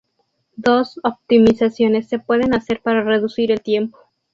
Dos optimizaciones se pueden hacer para reducir el tiempo.